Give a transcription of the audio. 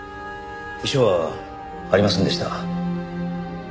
遺書はありませんでした。